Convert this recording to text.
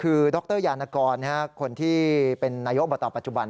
คือดรยานกรคนที่เป็นนายกอบตปัจจุบัน